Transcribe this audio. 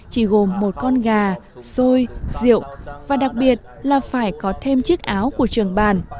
chỉ gồm một con gà xôi rượu và đặc biệt là phải có thêm chiếc áo của trường bản